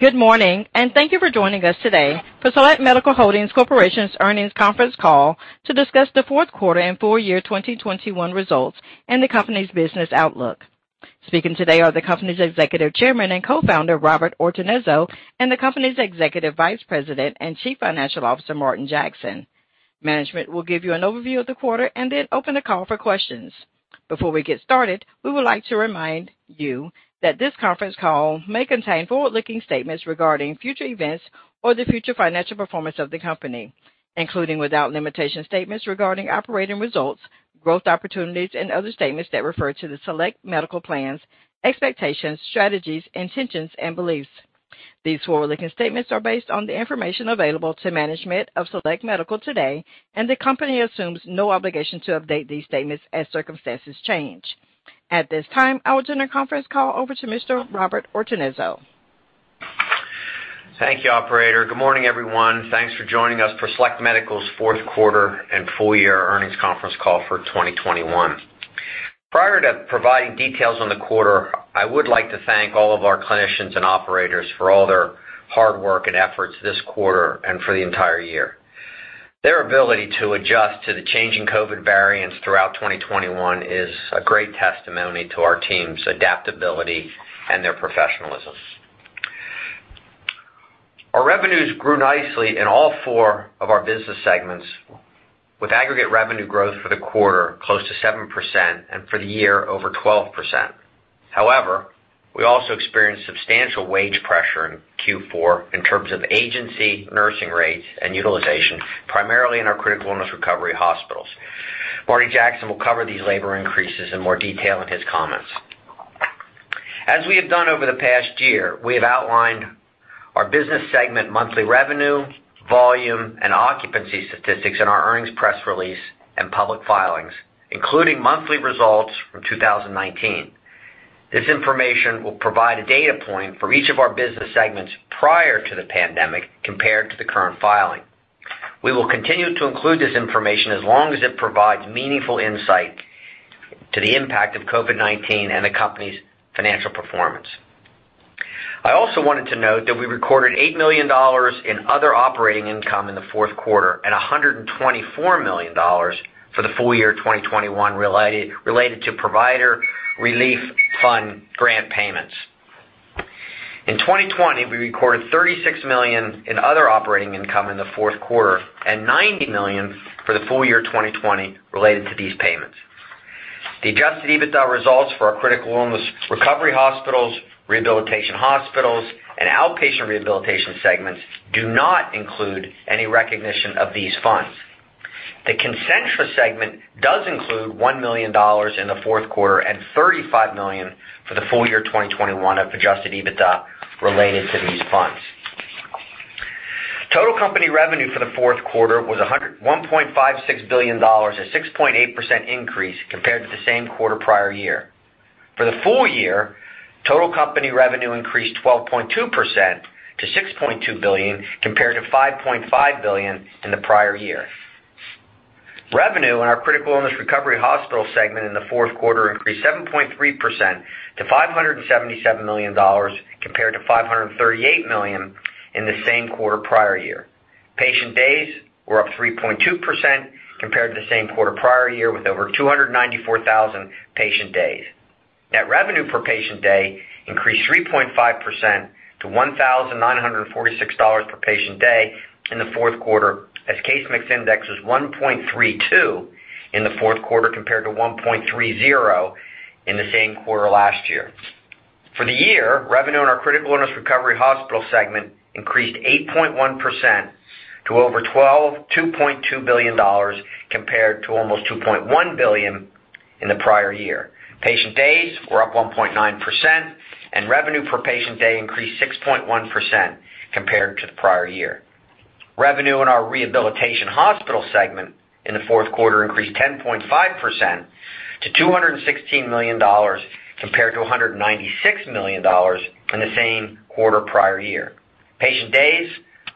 Good morning, and thank you for joining us today for Select Medical Holdings Corporation's earnings conference call to discuss the fourth quarter and full year 2021 results and the company's business outlook. Speaking today are the company's Executive Chairman and Co-Founder, Robert Ortenzio, and the company's Executive Vice President and Chief Financial Officer, Martin Jackson. Management will give you an overview of the quarter and then open the call for questions. Before we get started, we would like to remind you that this conference call may contain forward-looking statements regarding future events or the future financial performance of the company, including without limitation statements regarding operating results, growth opportunities, and other statements that refer to the Select Medical plans, expectations, strategies, intentions and beliefs. These forward-looking statements are based on the information available to management of Select Medical today, and the company assumes no obligation to update these statements as circumstances change. At this time, I will turn our conference call over to Mr. Robert Ortenzio. Thank you, operator. Good morning, everyone. Thanks for joining us for Select Medical's fourth quarter and full year earnings conference call for 2021. Prior to providing details on the quarter, I would like to thank all of our clinicians and operators for all their hard work and efforts this quarter and for the entire year. Their ability to adjust to the changing COVID variants throughout 2021 is a great testimony to our team's adaptability and their professionalism. Our revenues grew nicely in all four of our business segments, with aggregate revenue growth for the quarter close to 7% and for the year over 12%. However, we also experienced substantial wage pressure in Q4 in terms of agency nursing rates and utilization, primarily in our critical illness recovery hospitals. Martin Jackson will cover these labor increases in more detail in his comments. As we have done over the past year, we have outlined our business segment monthly revenue, volume, and occupancy statistics in our earnings press release and public filings, including monthly results from 2019. This information will provide a data point for each of our business segments prior to the pandemic compared to the current filing. We will continue to include this information as long as it provides meaningful insight to the impact of COVID-19 and the company's financial performance. I also wanted to note that we recorded $8 million in other operating income in the fourth quarter and $124 million for the full year 2021 related to Provider Relief Fund grant payments. In 2020, we recorded $36 million in other operating income in the fourth quarter and $90 million for the full year 2020 related to these payments. The adjusted EBITDA results for our critical illness recovery hospitals, rehabilitation hospitals, and outpatient rehabilitation segments do not include any recognition of these funds. The Concentra segment does include $1 million in the fourth quarter and $35 million for the full year 2021 of adjusted EBITDA related to these funds. Total company revenue for the fourth quarter was $1.56 billion, a 6.8% increase compared to the same quarter prior year. For the full year, total company revenue increased 12.2% to $6.2 billion, compared to $5.5 billion in the prior year. Revenue in our critical illness recovery hospital segment in the fourth quarter increased 7.3% to $577 million, compared to $538 million in the same quarter prior year. Patient days were up 3.2% compared to the same quarter prior year, with over 294,000 patient days. Net revenue per patient day increased 3.5% to $1,946 per patient day in the fourth quarter, as case mix index is 1.32 in the fourth quarter, compared to 1.30 in the same quarter last year. For the year, revenue in our critical illness recovery hospital segment increased 8.1% to $2.2 billion compared to almost $2.1 billion in the prior year. Patient days were up 1.9%, and revenue per patient day increased 6.1% compared to the prior year. Revenue in our rehabilitation hospital segment in the fourth quarter increased 10.5% to $216 million compared to $196 million in the same quarter prior year. Patient days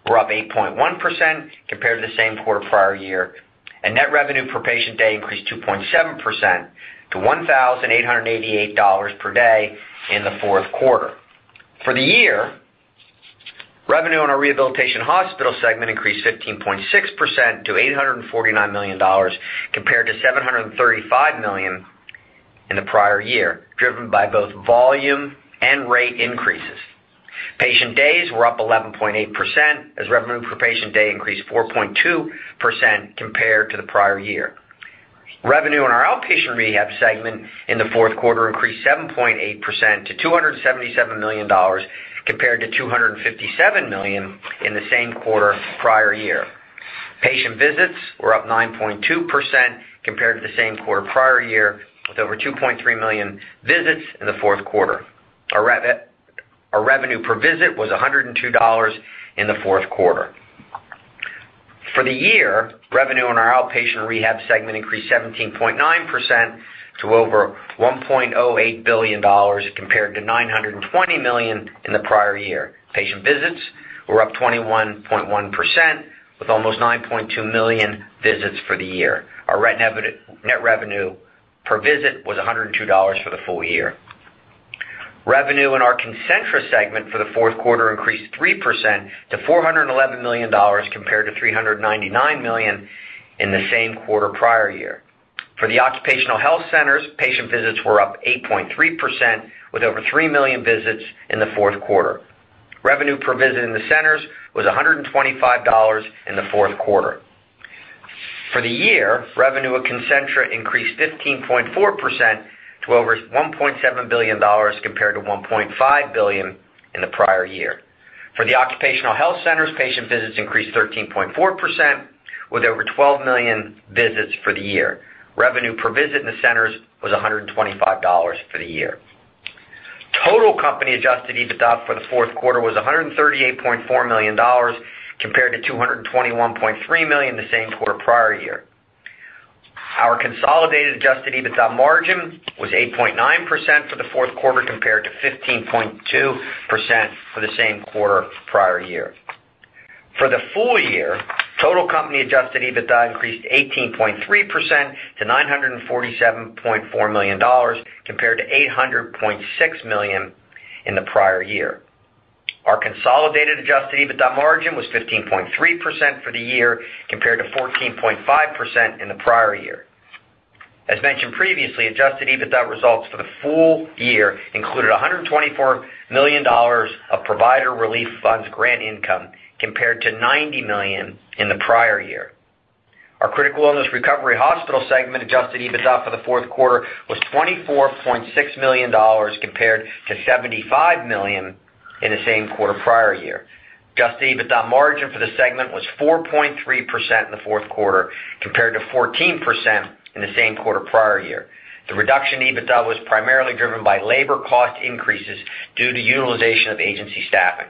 were up 8.1% compared to the same quarter prior year, and net revenue per patient day increased 2.7% to $1,888 per day in the fourth quarter. For the year, revenue in our rehabilitation hospital segment increased 15.6% to $849 million compared to $735 million in the prior year, driven by both volume and rate increases. Patient days were up 11.8% as revenue per patient day increased 4.2% compared to the prior year. Revenue in our outpatient rehab segment in the fourth quarter increased 7.8% to $277 million compared to $257 million in the same quarter prior year. Patient visits were up 9.2% compared to the same quarter prior year, with over 2.3 million visits in the fourth quarter. Our revenue per visit was $102 in the fourth quarter. For the year, revenue in our outpatient rehab segment increased 17.9% to over $1.08 billion compared to $920 million in the prior year. Patient visits were up 21.1%, with almost 9.2 million visits for the year. Our net revenue per visit was $102 for the full year. Revenue in our Concentra segment for the fourth quarter increased 3% to $411 million compared to $399 million in the same quarter prior year. For the occupational health centers, patient visits were up 8.3% with over three million visits in the fourth quarter. Revenue per visit in the centers was $125 in the fourth quarter. For the year, revenue at Concentra increased 15.4% to over $1.7 billion compared to $1.5 billion in the prior year. For the occupational health centers, patient visits increased 13.4% with over 12 million visits for the year. Revenue per visit in the centers was $125 for the year. Total company adjusted EBITDA for the fourth quarter was $138.4 million compared to $221.3 million the same quarter prior year. Our consolidated adjusted EBITDA margin was 8.9% for the fourth quarter compared to 15.2% for the same quarter prior year. For the full year, total company adjusted EBITDA increased 18.3% to $947.4 million compared to $800.6 million in the prior year. Our consolidated adjusted EBITDA margin was 15.3% for the year compared to 14.5% in the prior year. As mentioned previously, adjusted EBITDA results for the full year included $124 million of Provider Relief Fund grant income compared to $90 million in the prior year. Our Critical Illness Recovery Hospital segment adjusted EBITDA for the fourth quarter was $24.6 million compared to $75 million in the same quarter prior year. Adjusted EBITDA margin for the segment was 4.3% in the fourth quarter compared to 14% in the same quarter prior year. The reduction in EBITDA was primarily driven by labor cost increases due to utilization of agency staffing.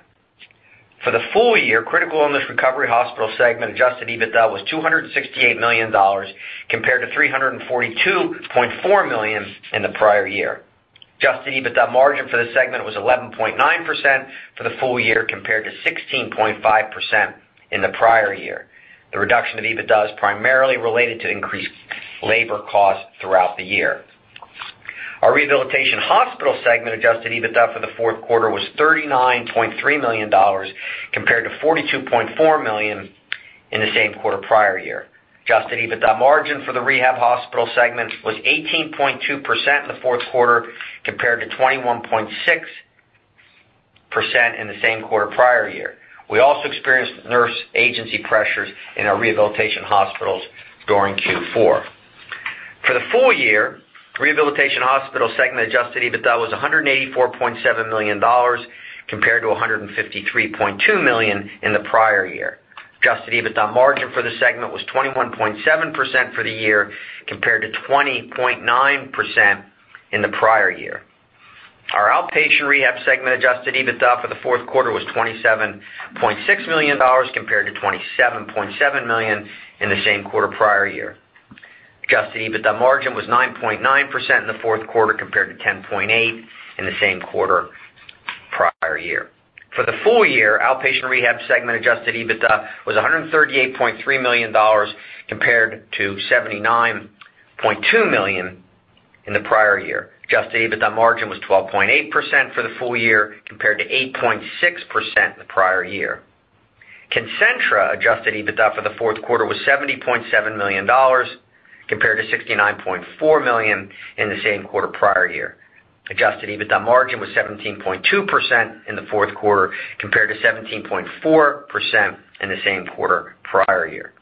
For the full year, Critical Illness Recovery Hospital segment adjusted EBITDA was $268 million compared to $342.4 million in the prior year. Adjusted EBITDA margin for the segment was 11.9% for the full year compared to 16.5% in the prior year. The reduction of EBITDA is primarily related to increased labor costs throughout the year. Our rehabilitation hospital segment adjusted EBITDA for the fourth quarter was $39.3 million compared to $42.4 million in the same quarter prior year. Adjusted EBITDA margin for the rehab hospital segment was 18.2% in the fourth quarter compared to 21.6% in the same quarter prior year. We also experienced nurse agency pressures in our rehabilitation hospitals during Q4. For the full year, the rehabilitation hospital segment adjusted EBITDA was $184.7 million compared to $153.2 million in the prior year. Adjusted EBITDA margin for the segment was 21.7% for the year compared to 20.9% in the prior year. Our outpatient rehab segment adjusted EBITDA for the fourth quarter was $27.6 million compared to $27.7 million in the same quarter prior year. Adjusted EBITDA margin was 9.9% in the fourth quarter compared to 10.8% in the same quarter prior year. For the full year, outpatient rehab segment adjusted EBITDA was $138.3 million compared to $79.2 million in the prior year. Adjusted EBITDA margin was 12.8% for the full year compared to 8.6% in the prior year. Concentra adjusted EBITDA for the fourth quarter was $70.7 million compared to $69.4 million in the same quarter prior year. Adjusted EBITDA margin was 17.2% in the fourth quarter compared to 17.4% in the same quarter prior year.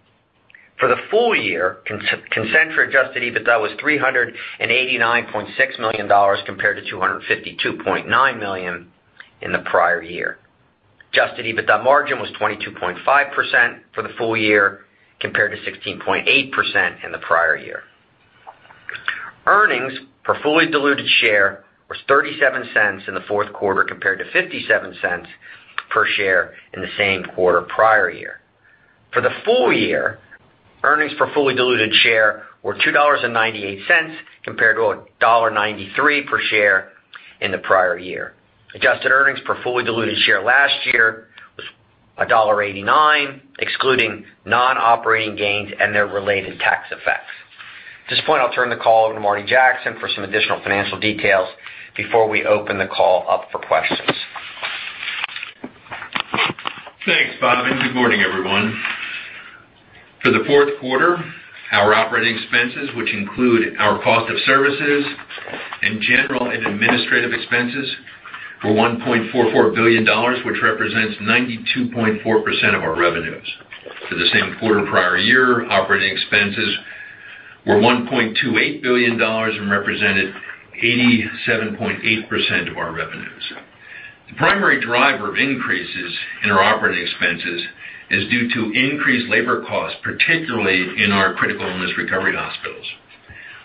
For the full year, Concentra adjusted EBITDA was $389.6 million compared to $252.9 million in the prior year. Adjusted EBITDA margin was 22.5% for the full year compared to 16.8% in the prior year. Earnings per fully diluted share was $0.37 in the fourth quarter compared to $0.57 per share in the same quarter prior year. For the full year, earnings per fully diluted share were $2.98 compared to $1.93 per share in the prior year. Adjusted earnings per fully diluted share last year was $1.89, excluding non-operating gains and their related tax effects. At this point, I'll turn the call over to Martin Jackson for some additional financial details before we open the call up for questions. Thanks, Bob, and good morning, everyone. For the fourth quarter, our operating expenses, which include our cost of services and general and administrative expenses, were $1.44 billion, which represents 92.4% of our revenues. For the same quarter prior year, operating expenses were $1.28 billion and represented 87.8% of our revenues. The primary driver of increases in our operating expenses is due to increased labor costs, particularly in our critical illness recovery hospitals.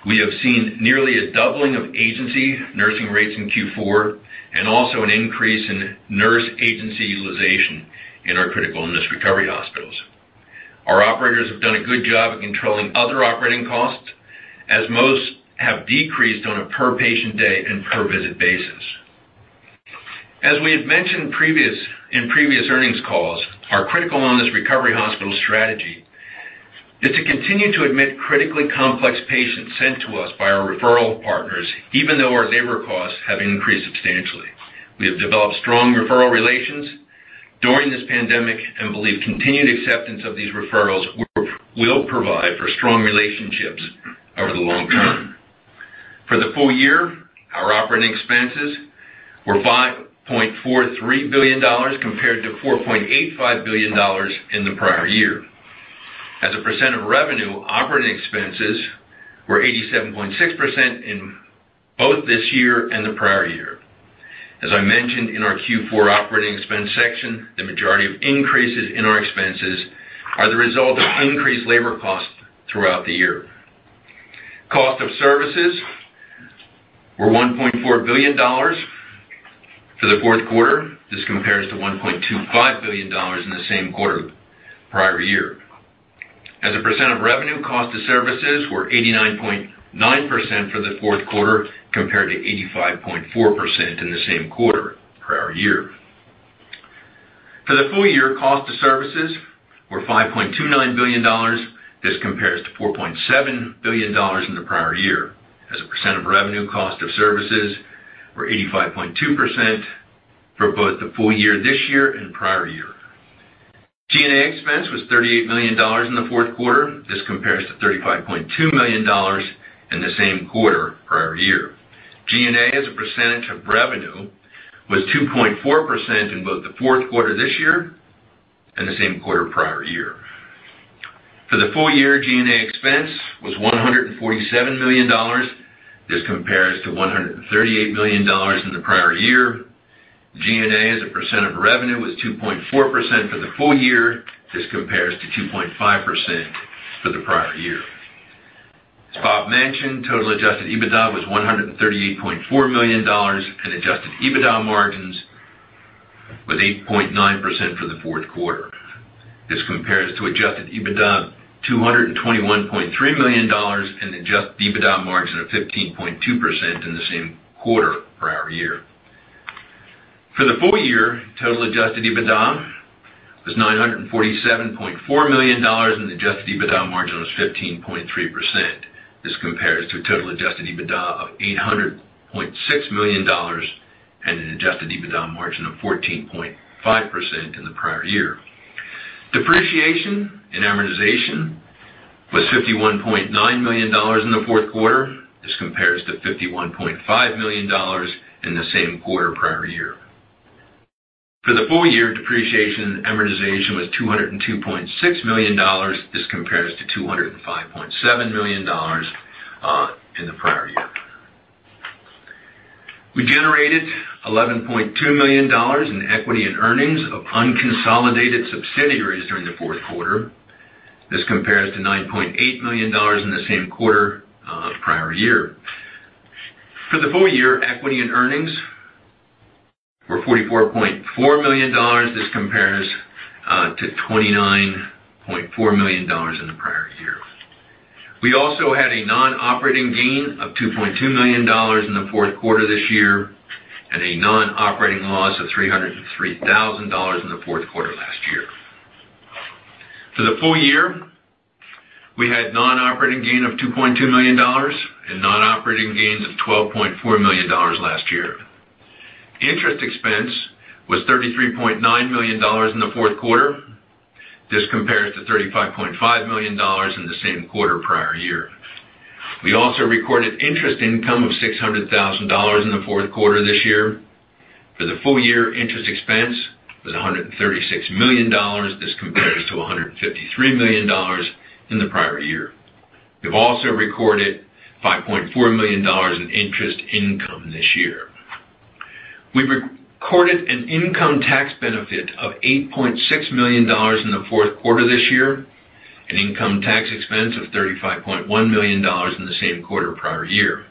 We have seen nearly a doubling of agency nursing rates in Q4 and also an increase in nurse agency utilization in our critical illness recovery hospitals. Our operators have done a good job at controlling other operating costs, as most have decreased on a per patient day and per visit basis. As we had mentioned in previous earnings calls, our critical illness recovery hospital strategy is to continue to admit critically complex patients sent to us by our referral partners, even though our labor costs have increased substantially. We have developed strong referral relations during this pandemic and believe continued acceptance of these referrals will provide for strong relationships over the long term. For the full year, our operating expenses were $5.43 billion compared to $4.85 billion in the prior year. As a percent of revenue, operating expenses were 87.6% in both this year and the prior year. As I mentioned in our Q4 operating expense section, the majority of increases in our expenses are the result of increased labor costs throughout the year. Cost of services were $1.4 billion for the fourth quarter. This compares to $1.25 billion in the same quarter prior year. As a percent of revenue, cost of services were 89.9% for the fourth quarter, compared to 85.4% in the same quarter prior year. For the full year, cost of services were $5.29 billion. This compares to $4.7 billion in the prior year. As a percent of revenue, cost of services were 85.2% for both the full year this year and prior year. G&A expense was $38 million in the fourth quarter. This compares to $35.2 million in the same quarter prior year. G&A, as a percentage of revenue, was 2.4% in both the fourth quarter this year and the same quarter prior year. For the full year, G&A expense was $147 million. This compares to $138 million in the prior year. G&A, as a percent of revenue, was 2.4% for the full year. This compares to 2.5% for the prior year. As Bob mentioned, total adjusted EBITDA was $138.4 million, and adjusted EBITDA margins was 8.9% for the fourth quarter. This compares to adjusted EBITDA $221.3 million and EBITDA margin of 15.2% in the same quarter prior year. For the full year, total adjusted EBITDA was $947.4 million, and adjusted EBITDA margin was 15.3%. This compares to a total adjusted EBITDA of $800.6 million and an adjusted EBITDA margin of 14.5% in the prior year. Depreciation and amortization was $51.9 million in the fourth quarter. This compares to $51.5 million in the same quarter prior year. For the full year, depreciation and amortization was $202.6 million. This compares to $205.7 million in the prior year. We generated $11.2 million in equity and earnings of unconsolidated subsidiaries during the fourth quarter. This compares to $9.8 million in the same quarter prior year. For the full year, equity and earnings were $44.4 million. This compares to $29.4 million in the prior year. We also had a non-operating gain of $2.2 million in the fourth quarter this year, and a non-operating loss of $303 thousand in the fourth quarter last year. For the full year, we had non-operating gain of $2.2 million and non-operating gains of $12.4 million last year. Interest expense was $33.9 million in the fourth quarter. This compares to $35.5 million in the same quarter prior year. We also recorded interest income of $600,000 in the fourth quarter this year. For the full year, interest expense was $136 million. This compares to $153 million in the prior year. We've also recorded $5.4 million in interest income this year. We recorded an income tax benefit of $8.6 million in the fourth quarter this year, and income tax expense of $35.1 million in the same quarter prior year.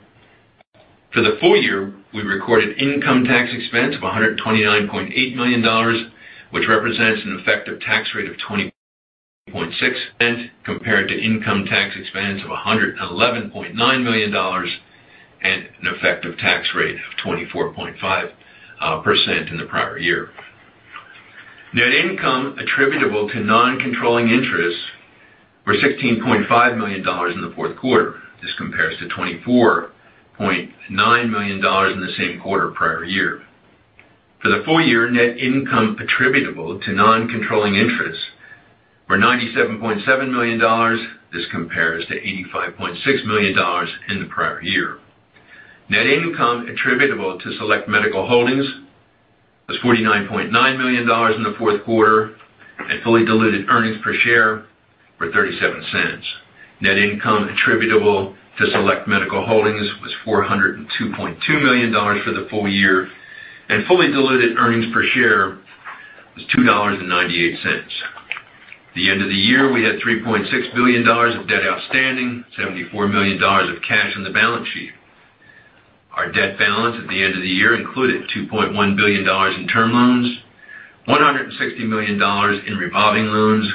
For the full year, we recorded income tax expense of $129.8 million, which represents an effective tax rate of 20.6%, compared to income tax expense of $111.9 million and an effective tax rate of 24.5% in the prior year. Net income attributable to non-controlling interests were $16.5 million in the fourth quarter. This compares to $24.9 million in the same quarter prior year. For the full year, net income attributable to non-controlling interests were $97.7 million. This compares to $85.6 million in the prior year. Net income attributable to Select Medical Holdings was $49.9 million in the fourth quarter, and fully diluted earnings per share were $0.37. Net income attributable to Select Medical Holdings was $402.2 million for the full year, and fully diluted earnings per share was $2.98. At the end of the year, we had $3.6 billion of debt outstanding, $74 million of cash on the balance sheet. Our debt balance at the end of the year included $2.1 billion in term loans. $160 million in revolving loans,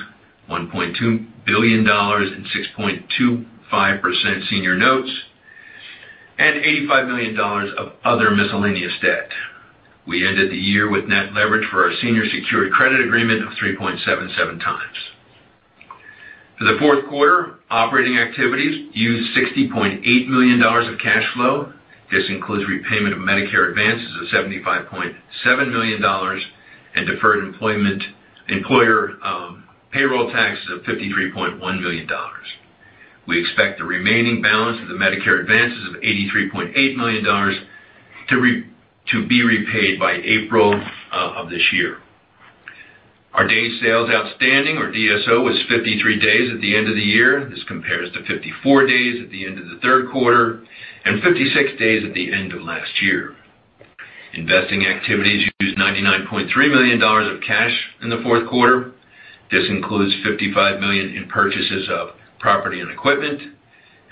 $1.2 billion in 6.25% senior notes, and $85 million of other miscellaneous debt. We ended the year with net leverage for our senior secured credit agreement of 3.77x. For the fourth quarter, operating activities used $60.8 million of cash flow. This includes repayment of Medicare advances of $75.7 million and deferred employer payroll taxes of $53.1 million. We expect the remaining balance of the Medicare advances of $83.8 million to be repaid by April of this year. Our days sales outstanding, or DSO, was 53 days at the end of the year. This compares to 54 days at the end of the third quarter and 56 days at the end of last year. Investing activities used $99.3 million of cash in the fourth quarter. This includes $55 million in purchases of property and equipment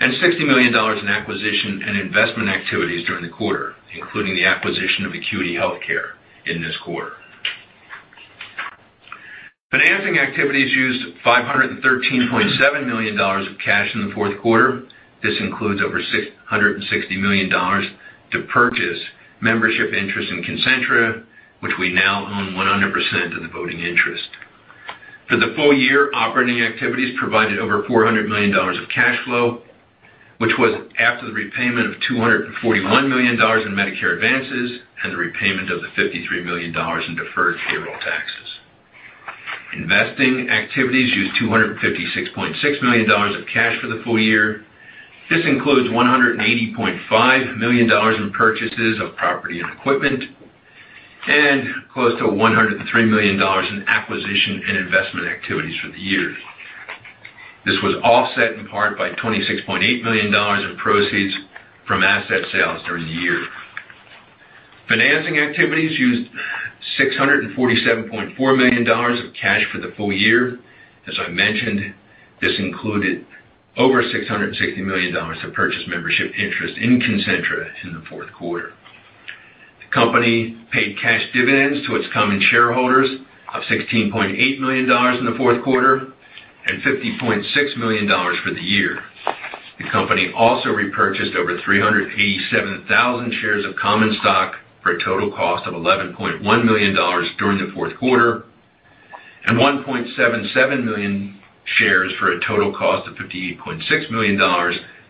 and $60 million in acquisition and investment activities during the quarter, including the acquisition of Acuity Healthcare in this quarter. Financing activities used $513.7 million of cash in the fourth quarter. This includes over $660 million to purchase membership interest in Concentra, which we now own 100% of the voting interest. For the full year, operating activities provided over $400 million of cash flow, which was after the repayment of $241 million in Medicare advances and the repayment of the $53 million in deferred payroll taxes. Investing activities used $256.6 million of cash for the full year. This includes $180.5 million in purchases of property and equipment and close to $103 million in acquisition and investment activities for the year. This was offset in part by $26.8 million in proceeds from asset sales during the year. Financing activities used $647.4 million of cash for the full year. As I mentioned, this included over $660 million to purchase membership interest in Concentra in the fourth quarter. The company paid cash dividends to its common shareholders of $16.8 million in the fourth quarter and $50.6 million for the year. The company also repurchased over 387,000 shares of common stock for a total cost of $11.1 million during the fourth quarter, and 1.77 million shares for a total cost of $58.6 million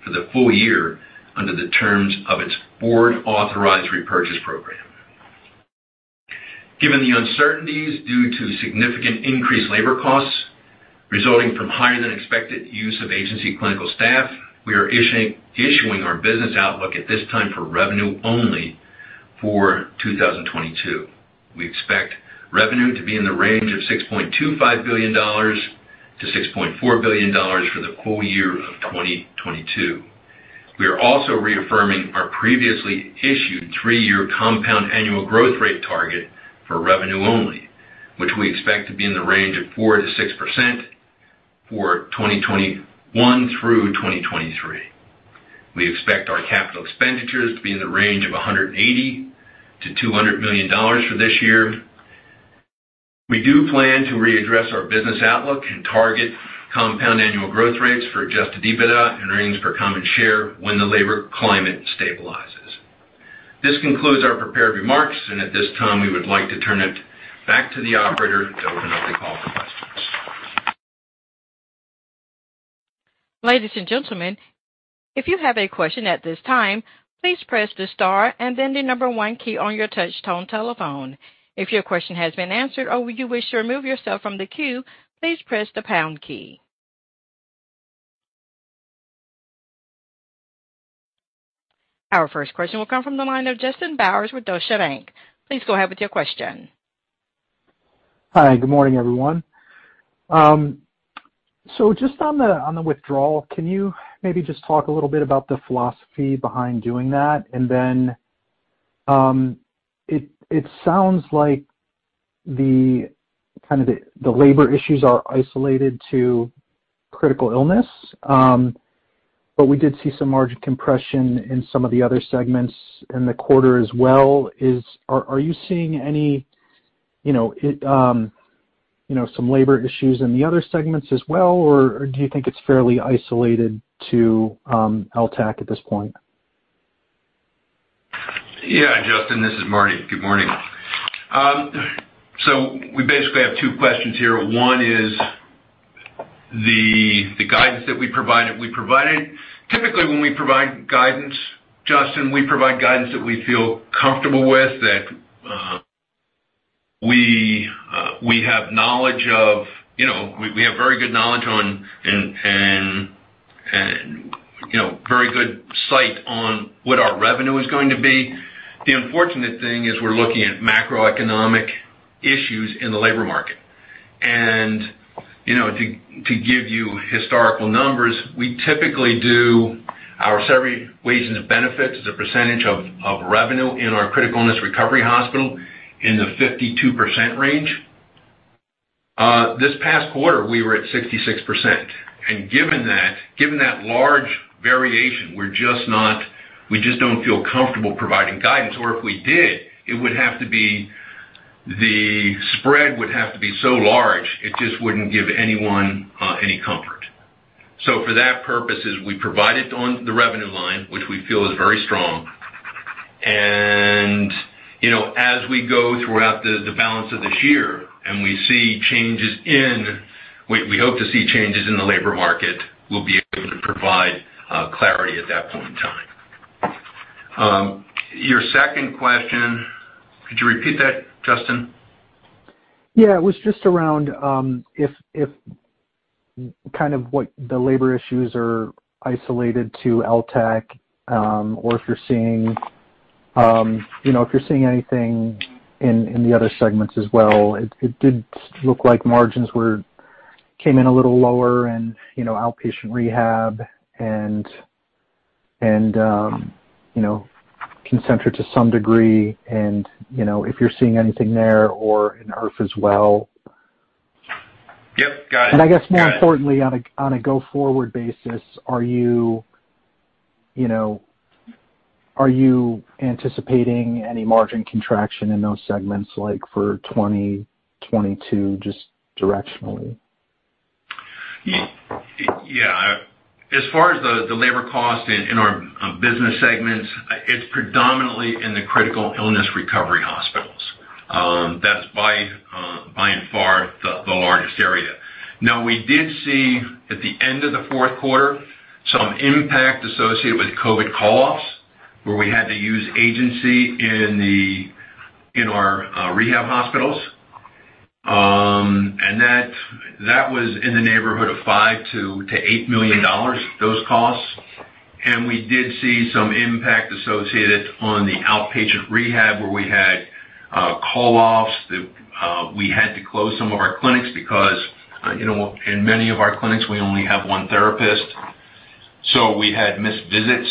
for the full year under the terms of its board authorized repurchase program. Given the uncertainties due to significant increased labor costs resulting from higher than expected use of agency clinical staff, we are issuing our business outlook at this time for revenue only for 2022. We expect revenue to be in the range of $6.25 billion-$6.4 billion for the full year of 2022. We are also reaffirming our previously issued three-year compound annual growth rate target for revenue only, which we expect to be in the range of 4%-6% for 2021 through 2023. We expect our capital expenditures to be in the range of $180 million-$200 million for this year. We do plan to readdress our business outlook and target compound annual growth rates for adjusted EBITDA and earnings per common share when the labor climate stabilizes. This concludes our prepared remarks. At this time, we would like to turn it back to the operator to open up the call for questions. Ladies and gentlemen, if you have a question at this time, please press the star and then the number one key on your touch tone telephone. If your question has been answered or you wish to remove yourself from the queue, please press the pound key. Our first question will come from the line of Justin Bowers with Deutsche Bank. Please go ahead with your question. Hi, good morning, everyone. Just on the withdrawal, can you maybe just talk a little bit about the philosophy behind doing that? It sounds like the labor issues are isolated to critical illness, but we did see some margin compression in some of the other segments in the quarter as well. Are you seeing any, you know, some labor issues in the other segments as well, or do you think it's fairly isolated to LTAC at this point? Yeah, Justin, this is Martin. Good morning. We basically have two questions here. One is the guidance that we provided. Typically, when we provide guidance, Justin, we provide guidance that we feel comfortable with, that we have knowledge of. You know, we have very good knowledge on and very good sight on what our revenue is going to be. The unfortunate thing is we're looking at macroeconomic issues in the labor market. You know, to give you historical numbers, we typically do our salary, wages, and benefits as a percentage of revenue in our critical illness recovery hospital in the 52% range. This past quarter we were at 66%. Given that large variation, we just don't feel comfortable providing guidance, or if we did, the spread would have to be so large, it just wouldn't give anyone, any comfort. For that purposes, we provided on the revenue line, which we feel is very strong. You know, as we go throughout the balance of this year and we hope to see changes in the labor market, we'll be able to provide clarity at that point in time. Your second question, could you repeat that, Justin? Yeah. It was just around if kind of what the labor issues are isolated to LTAC or if you're seeing you know anything in the other segments as well. It did look like margins came in a little lower and you know outpatient rehab and you know Concentra to some degree and you know if you're seeing anything there or in IRF as well. Yep, got it. I guess more importantly on a go-forward basis, are you know, are you anticipating any margin contraction in those segments, like for 2022, just directionally? Yeah. As far as the labor cost in our business segments, it's predominantly in the critical illness recovery hospitals. That's by far the largest area. Now, we did see at the end of the fourth quarter some impact associated with COVID call-offs, where we had to use agency in our rehab hospitals. That was in the neighborhood of $5 million-$8 million, those costs. We did see some impact associated on the outpatient rehab where we had call-offs that we had to close some of our clinics because you know, in many of our clinics, we only have one therapist, so we had missed visits,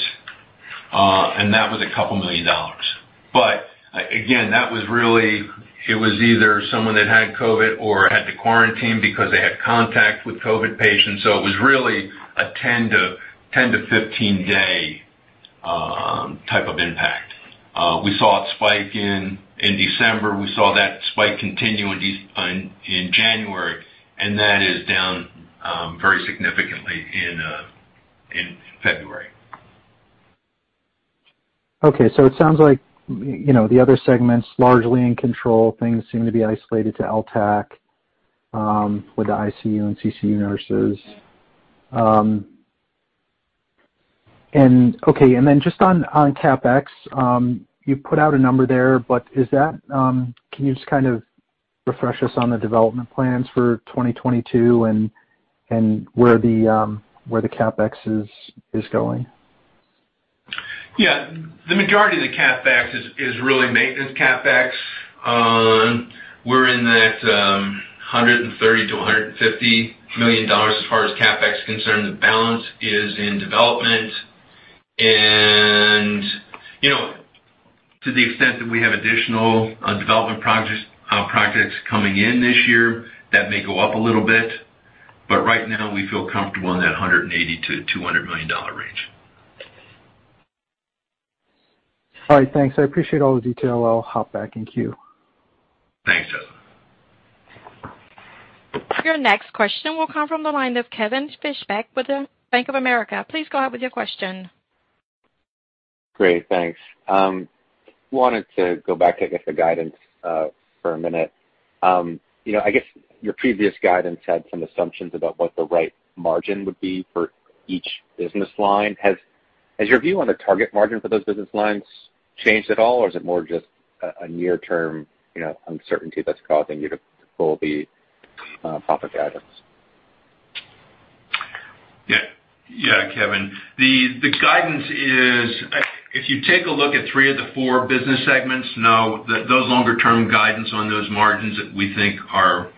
and that was $2 million. Again, that was either someone that had COVID or had to quarantine because they had contact with COVID patients. It was really a 10 to 15-day type of impact. We saw a spike in December. We saw that spike continue in January, and that is down very significantly in February. Okay. It sounds like, you know, the other segment's largely in control. Things seem to be isolated to LTAC, with the ICU and CCU nurses. Okay, and then just on CapEx, you put out a number there, but is that, can you just kind of refresh us on the development plans for 2022 and where the CapEx is going? Yeah. The majority of the CapEx is really maintenance CapEx. We're in that $130 million-$150 million as far as CapEx is concerned. The balance is in development. You know, to the extent that we have additional development projects coming in this year, that may go up a little bit. Right now we feel comfortable in that $180 million-$200 million range. All right. Thanks, I appreciate all the detail. I'll hop back in queue. Thanks, Justin. Your next question will come from the line of Kevin Fischbeck with Bank of America. Please go ahead with your question. Great, thanks. Wanted to go back to, I guess, the guidance, for a minute. You know, I guess your previous guidance had some assumptions about what the right margin would be for each business line. Has your view on the target margin for those business lines changed at all, or is it more just a near-term, you know, uncertainty that's causing you to pull the profit guidance? Yeah. Yeah, Kevin. The guidance is, if you take a look at three of the four business segments, know that those longer term guidance on those margins we think are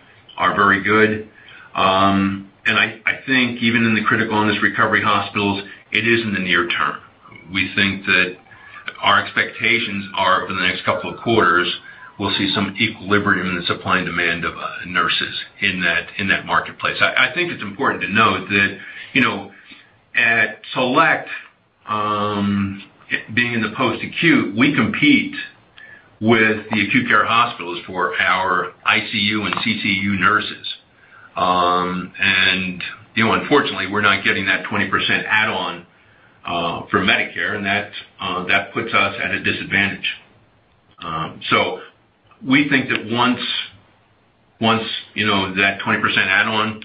very good. I think even in the critical illness recovery hospitals, it is in the near term. We think that our expectations are over the next couple of quarters, we'll see some equilibrium in the supply and demand of nurses in that marketplace. I think it's important to note that, you know, at Select, being in the post-acute, we compete with the acute care hospitals for our ICU and CCU nurses. You know, unfortunately, we're not getting that 20% add-on for Medicare, and that puts us at a disadvantage. We think that once you know that 20% add-on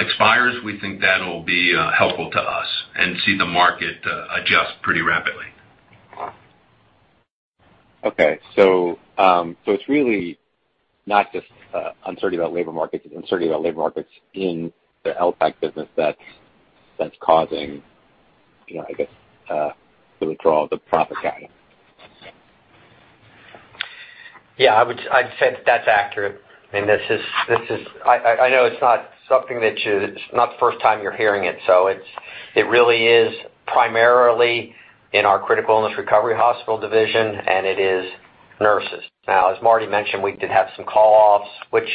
expires, we think that'll be helpful to us and we'll see the market adjust pretty rapidly. Okay. It's really not just uncertainty about labor markets, it's uncertainty about labor markets in the LTAC business that's causing, you know, I guess, the withdrawal of the profit guidance. Yeah, I'd say that's accurate. I mean, this is. I know it's not something that you, it's not the first time you're hearing it, so it really is primarily. In our Critical Illness Recovery Hospital division, it is nurses. Now, as Marty mentioned, we did have some call-offs, which,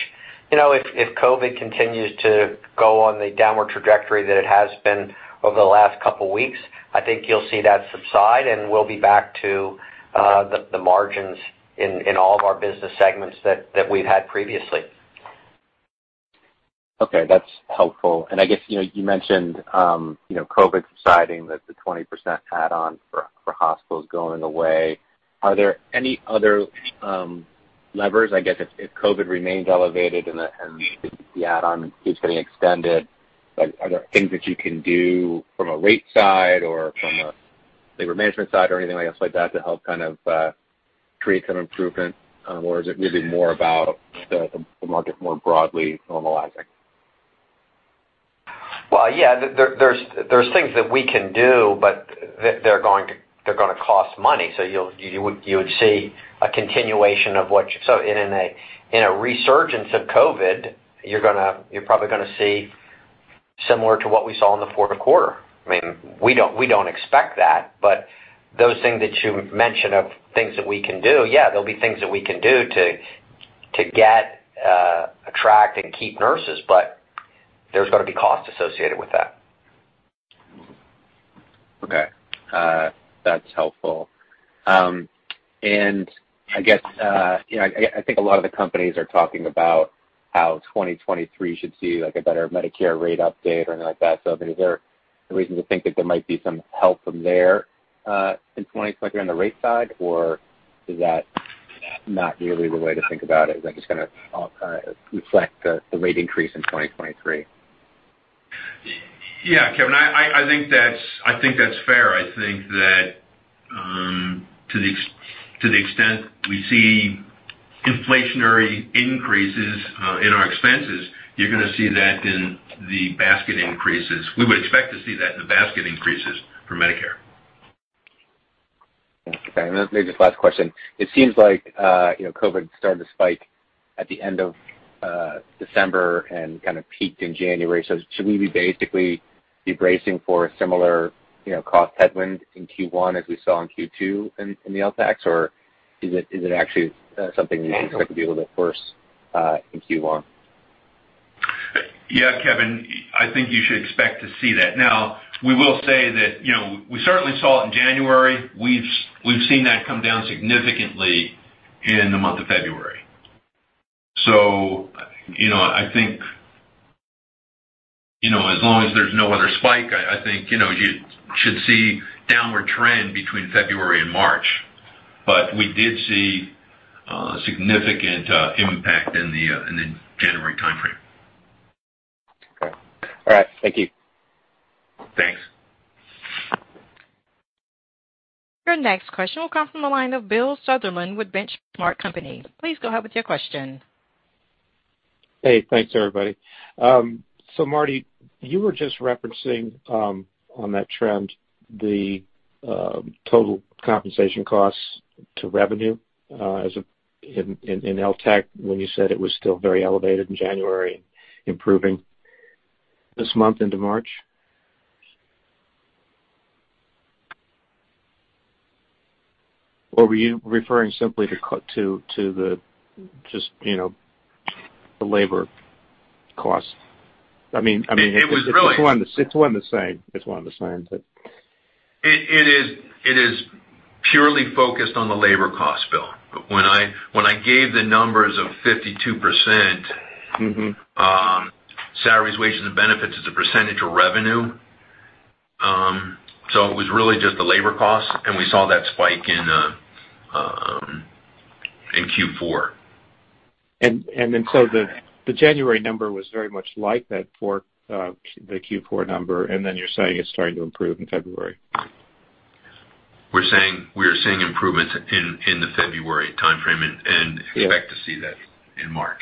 you know, if COVID continues to go on the downward trajectory that it has been over the last couple weeks, I think you'll see that subside, and we'll be back to the margins in all of our business segments that we've had previously. Okay, that's helpful. I guess, you know, you mentioned, you know, COVID subsiding, that the 20% add-on for hospitals going away. Are there any other levers? I guess if COVID remains elevated and the add-on keeps getting extended, like, are there things that you can do from a rate side or from a labor management side or anything else like that to help kind of create some improvement, or is it really more about the market more broadly normalizing? Well, yeah. There's things that we can do, but they're gonna cost money. You would see a continuation of what you. In a resurgence of COVID, you're probably gonna see similar to what we saw in the fourth quarter. I mean, we don't expect that. Those things that you mentioned of things that we can do, yeah, there'll be things that we can do to attract and keep nurses, but there's gonna be costs associated with that. Okay. That's helpful. I guess, you know, I think a lot of the companies are talking about how 2023 should see, like, a better Medicare rate update or anything like that. I mean, is there a reason to think that there might be some help from there in 2023 on the rate side, or is that not really the way to think about it? Is that just gonna all reflect the rate increase in 2023? Yeah, Kevin, I think that's fair. I think that to the extent we see inflationary increases in our expenses, you're gonna see that in the basket increases. We would expect to see that in the basket increases for Medicare. Okay. Maybe just last question. It seems like, you know, COVID started to spike at the end of December and kind of peaked in January. Should we basically be bracing for a similar, you know, cost headwind in Q1 as we saw in Q2 in LTACs or is it actually something we expect to be able to course-correct in Q1? Yeah, Kevin, I think you should expect to see that. Now, we will say that, you know, we certainly saw it in January. We've seen that come down significantly in the month of February. So, you know, I think, you know, as long as there's no other spike, I think, you know, you should see downward trend between February and March. But we did see significant impact in the January timeframe. Okay. All right. Thank you. Thanks. Your next question will come from the line of Bill Sutherland with Benchmark Company. Please go ahead with your question. Hey, thanks everybody. Martin, you were just referencing on that trend the total compensation costs to revenue in LTAC when you said it was still very elevated in January and improving this month into March. Were you referring simply to just the labor cost? I mean- It was really. If it's one of the same. It is purely focused on the labor cost, Bill. When I gave the numbers of 52%- Mm-hmm salaries, wages, and benefits as a percentage of revenue, so it was really just the labor cost. We saw that spike in Q4. The January number was very much like that for the Q4 number, and then you're saying it's starting to improve in February. We're saying we are seeing improvements in the February timeframe and. Yeah. Expect to see that in March.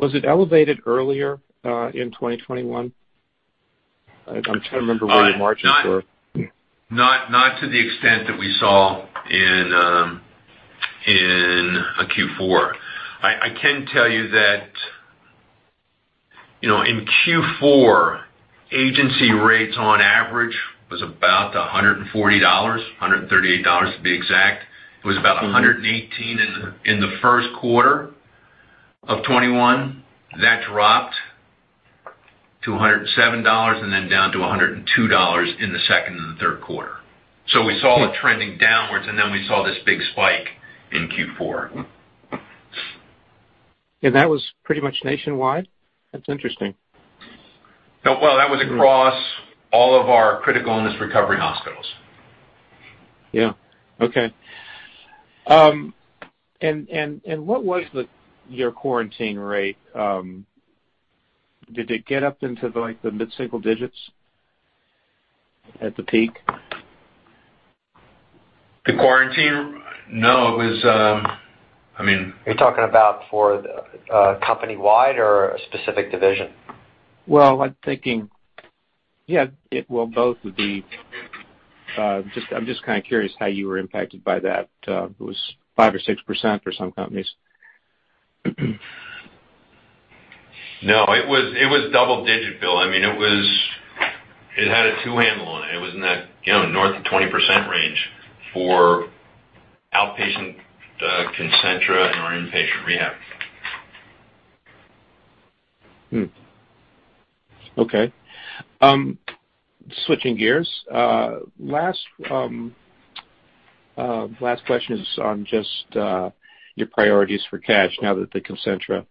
Was it elevated earlier in 2021? I'm trying to remember where your margins were. Not to the extent that we saw in Q4. I can tell you that, you know, in Q4, agency rates on average was about $140, $138 to be exact. It was about $118 in the first quarter of 2021. That dropped to $107 and then down to $102 in the second and the third quarter. We saw it trending downwards, and then we saw this big spike in Q4. That was pretty much nationwide? That's interesting. No, well, that was across all of our critical illness recovery hospitals. Yeah. Okay. What was your quarantine rate? Did it get up into, like, the mid-single digits at the peak? The quarantine? No. It was, I mean. Are you talking about for, company-wide or a specific division? Well, I'm thinking. Yeah, it will both be. I'm just kind of curious how you were impacted by that. It was 5%-6% for some companies. No, it was double digit, Bill. I mean, it was. It had a two handle on it. It was in that, you know, north of 20% range for outpatient, Concentra and our inpatient rehab. Okay. Switching gears. Last question is on just your priorities for cash now that the Concentra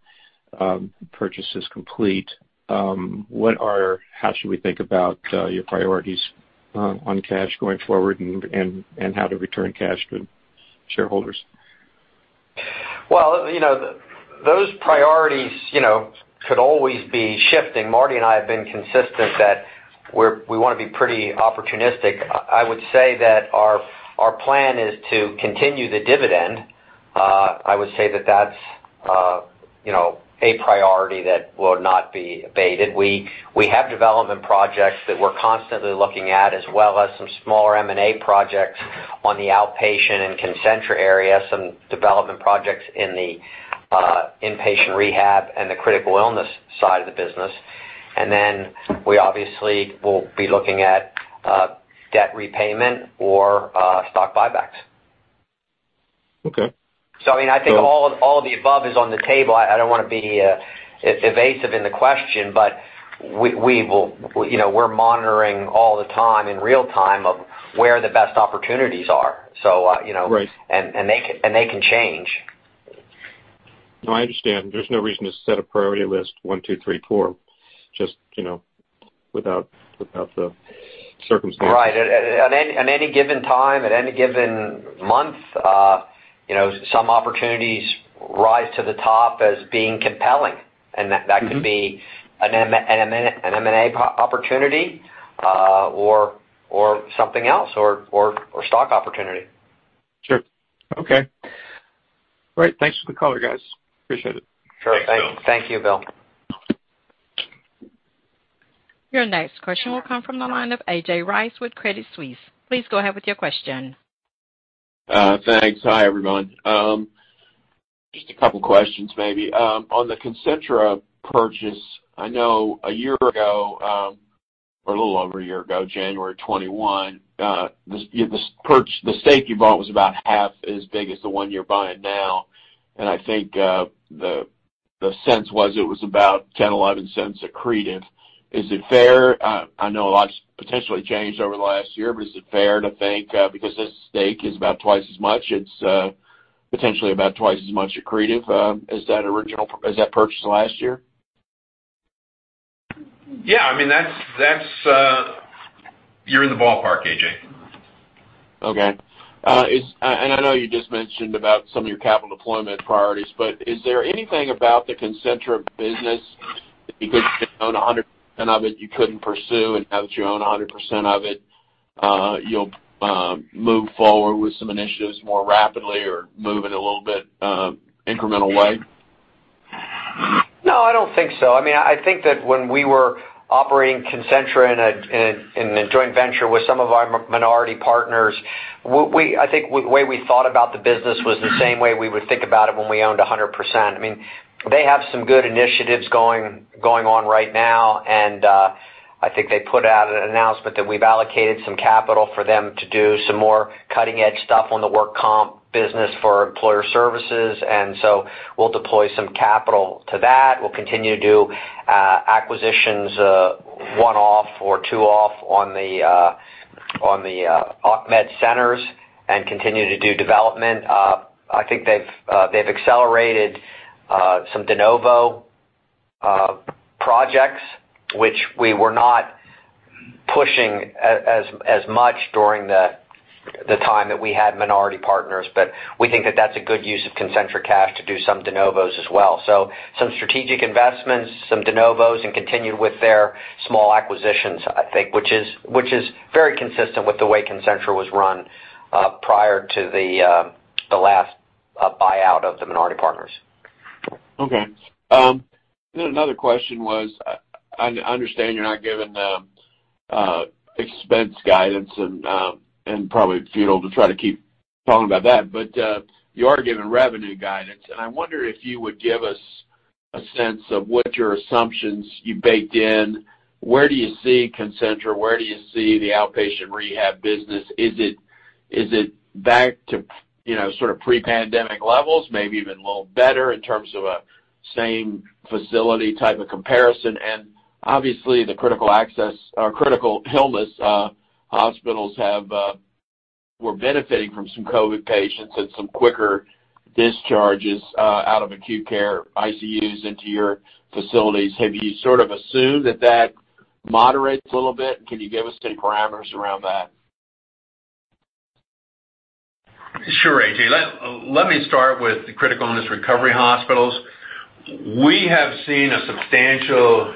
purchase is complete. How should we think about your priorities on cash going forward and how to return cash to shareholders? Well, you know, those priorities, you know, could always be shifting. Marty and I have been consistent that we're we wanna be pretty opportunistic. I would say that our plan is to continue the dividend. I would say that that's, you know, a priority that will not be abated. We have development projects that we're constantly looking at, as well as some smaller M&A projects on the outpatient and Concentra area, some development projects in the inpatient rehab and the critical illness side of the business. We obviously will be looking at debt repayment or stock buybacks. Okay. I mean, I think all of the above is on the table. I don't wanna be evasive in the question, but we will. You know, we're monitoring all the time in real time of where the best opportunities are. You know. Right. They can change. No, I understand. There's no reason to set a priority list, one, two, three, four, just, you know, without the circumstances. Right. At any given time, at any given month, you know, some opportunities rise to the top as being compelling, and that- Mm-hmm. that could be an M&A opportunity, or stock opportunity. Sure. Okay. Great. Thanks for the color, guys. Appreciate it. Sure. Thanks, Bill. Thank you, Bill. Your next question will come from the line of A.J. Rice with Credit Suisse. Please go ahead with your question. Thanks. Hi, everyone. Just a couple questions maybe. On the Concentra purchase, I know a year ago, or a little over a year ago, January 2021, the stake you bought was about half as big as the one you're buying now. I think, the sense was it was about $0.10-$0.11 accretive. Is it fair, I know a lot's potentially changed over the last year, but is it fair to think, because this stake is about twice as much, it's potentially about twice as much accretive, as that original purchase last year? Yeah, I mean, that's, you're in the ballpark, A.J. Okay. I know you just mentioned about some of your capital deployment priorities, but is there anything about the Concentra business that because you didn't own 100% of it, you couldn't pursue, and now that you own 100% of it, you'll move forward with some initiatives more rapidly or move it a little bit incremental way? No, I don't think so. I mean, I think that when we were operating Concentra in a joint venture with some of our minority partners, I think the way we thought about the business was the same way we would think about it when we owned 100%. I mean, they have some good initiatives going on right now, and I think they put out an announcement that we've allocated some capital for them to do some more cutting-edge stuff on the work comp business for employer services. We'll deploy some capital to that. We'll continue to do acquisitions, one-off or two-off on the occ-med centers and continue to do development. I think they've accelerated some de novo projects, which we were not pushing as much during the time that we had minority partners. We think that that's a good use of Concentra cash to do some de novos as well. Some strategic investments, some de novos, and continue with their small acquisitions, I think, which is very consistent with the way Concentra was run prior to the last buyout of the minority partners. Okay. Then another question was, I understand you're not giving them expense guidance and probably futile to try to keep talking about that, but you are giving revenue guidance. I wonder if you would give us a sense of what your assumptions you baked in. Where do you see Concentra? Where do you see the outpatient rehab business? Is it back to, you know, sort of pre-pandemic levels, maybe even a little better in terms of a same facility type of comparison? Obviously, the critical illness recovery hospitals were benefiting from some COVID patients and some quicker discharges out of acute care ICUs into your facilities. Have you sort of assumed that moderates a little bit? Can you give us some parameters around that? Sure, A.J. Let me start with the critical illness recovery hospitals. We have seen a substantial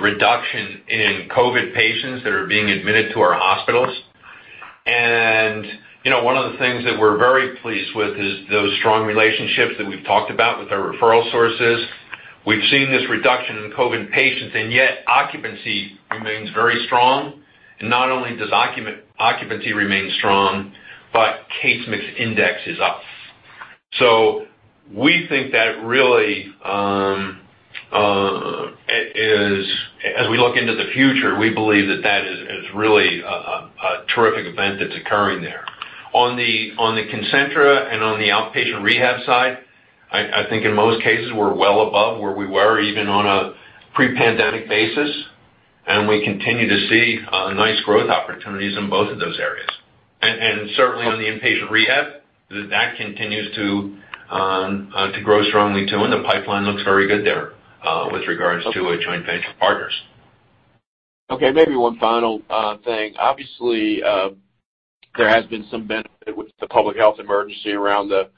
reduction in COVID patients that are being admitted to our hospitals. You know, one of the things that we're very pleased with is those strong relationships that we've talked about with our referral sources. We've seen this reduction in COVID patients, and yet occupancy remains very strong. Not only does occupancy remain strong, but case mix index is up. We think that really as we look into the future, we believe that that is really a terrific event that's occurring there. On the Concentra and on the outpatient rehab side, I think in most cases, we're well above where we were even on a pre-pandemic basis, and we continue to see nice growth opportunities in both of those areas. Certainly on the inpatient rehab, that continues to grow strongly too, and the pipeline looks very good there, with regards to our joint venture partners. Okay, maybe one final thing. Obviously, there has been some benefit with the public health emergency around the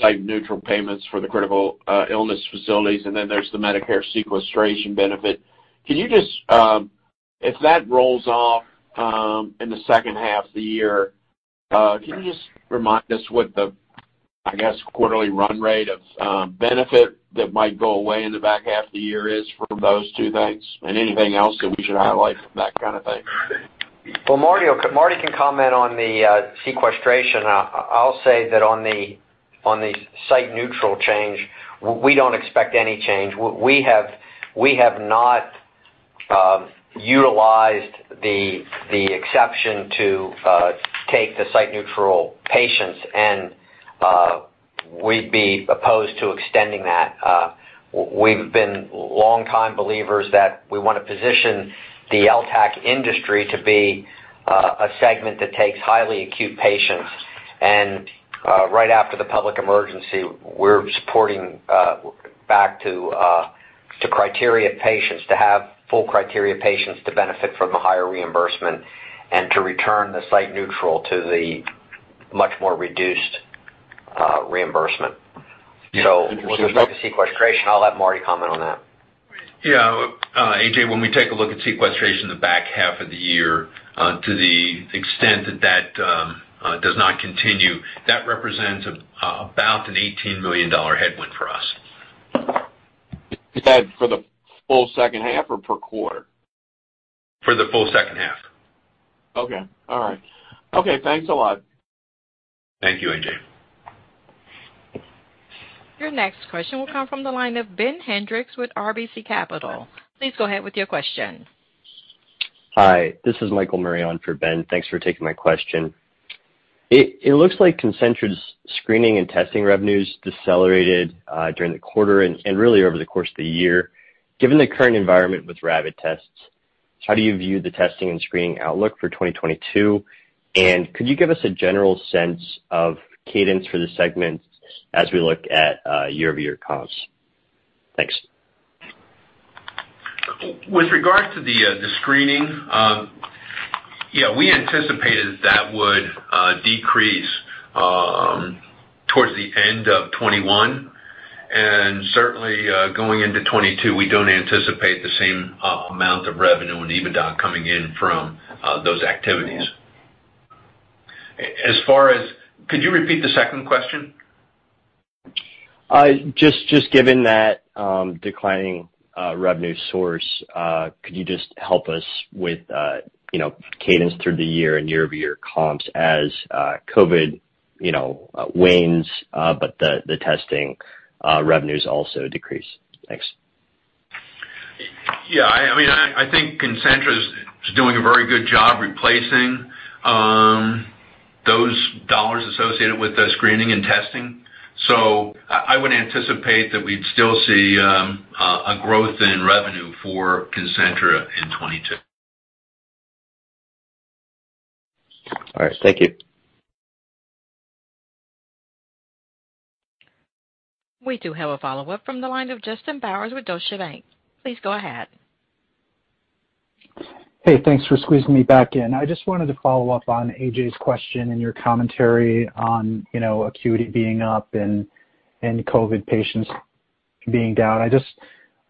site-neutral payments for the critical illness facilities, and then there's the Medicare sequestration benefit. Can you just, if that rolls off in the second half of the year, can you just remind us what the, I guess, quarterly run rate of benefit that might go away in the back half of the year is for those two things and anything else that we should highlight from that kind of thing? Well, Martin can comment on the sequestration. I'll say that on the site-neutral change, we don't expect any change. We have not utilized the exception to take the site-neutral patients and we'd be opposed to extending that. We've been long-time believers that we want to position the LTAC industry to be a segment that takes highly acute patients. Right after the public emergency, we're supporting back to criteria patients to have full criteria patients to benefit from the higher reimbursement and to return the site-neutral to the much more reduced reimbursement. With respect to sequestration, I'll let Martin comment on that. Yeah. A.J., when we take a look at sequestration in the back half of the year, to the extent that that does not continue, that represents about an $18 million headwind for us. Is that for the full second half or per quarter? For the full second half. Okay. All right. Okay, thanks a lot. Thank you, A.J. Your next question will come from the line of Ben Hendrix with RBC Capital. Please go ahead with your question. Hi, this is Michael Murray for Ben. Thanks for taking my question. It looks like Concentra's screening and testing revenues decelerated during the quarter and really over the course of the year. Given the current environment with rapid tests, how do you view the testing and screening outlook for 2022? Could you give us a general sense of cadence for the segment as we look at year-over-year comps? Thanks. With regards to the screening, yeah, we anticipated that would decrease towards the end of 2021. Certainly, going into 2022, we don't anticipate the same amount of revenue and EBITDA coming in from those activities. Could you repeat the second question? Just given that declining revenue source, could you just help us with, you know, cadence through the year and year-over-year comps as COVID, you know, wanes, but the testing revenues also decrease? Thanks. Yeah, I mean, I think Concentra's doing a very good job replacing those dollars associated with the screening and testing. I would anticipate that we'd still see a growth in revenue for Concentra in 2022. All right. Thank you. We do have a follow-up from the line of Justin Bowers with Deutsche Bank. Please go ahead. Hey, thanks for squeezing me back in. I just wanted to follow up on A.J.'s question and your commentary on acuity being up and COVID patients being down.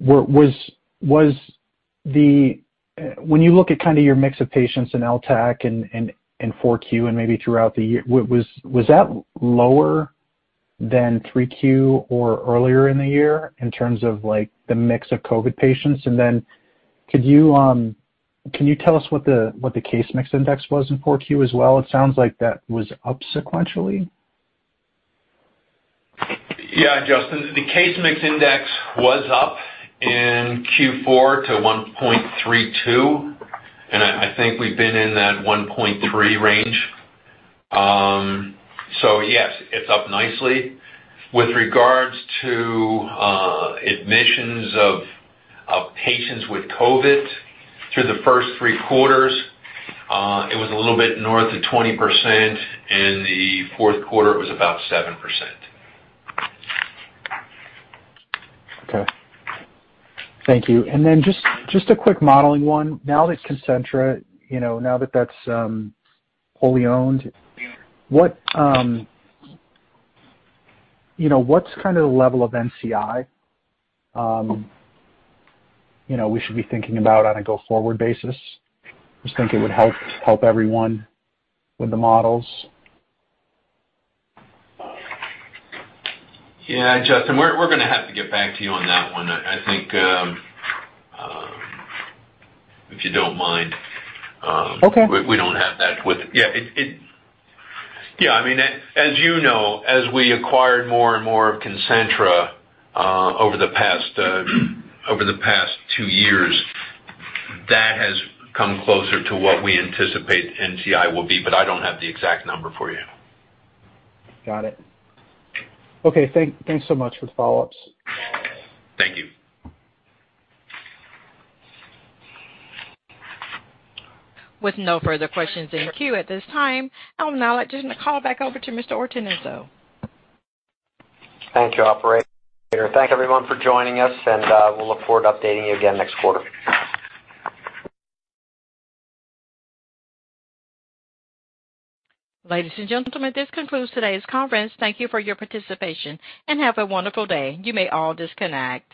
When you look at kind of your mix of patients in LTAC and four Q and maybe throughout the year, was that lower than three Q or earlier in the year in terms of like the mix of COVID patients? And then can you tell us what the case mix index was in four Q as well? It sounds like that was up sequentially. Yeah, Justin, the case mix index was up in Q4 to 1.32, and I think we've been in that 1.3 range. Yes, it's up nicely. With regards to admissions of patients with COVID through the first three quarters, it was a little bit north of 20%. In the fourth quarter, it was about 7%. Okay. Thank you. Just a quick modeling one. Now that Concentra, you know, now that that's wholly owned, what you know, what's kinda the level of NCI, you know, we should be thinking about on a go-forward basis? Just think it would help everyone with the models. Yeah, Justin, we're gonna have to get back to you on that one. I think if you don't mind, Okay. We don't have that. Yeah, I mean, as you know, as we acquired more and more of Concentra over the past two years, that has come closer to what we anticipate NCI will be, but I don't have the exact number for you. Got it. Okay, thanks so much for the follow-ups. Thank you. With no further questions in queue at this time, I'll now turn the call back over to Mr. Ortenzio. Thank you, operator. Thank everyone for joining us, and we'll look forward to updating you again next quarter. Ladies and gentlemen, this concludes today's conference. Thank you for your participation, and have a wonderful day. You may all disconnect.